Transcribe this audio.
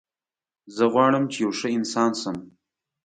زه غواړم چې یو ښه انسان شم